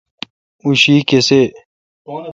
اوں شی کیسے°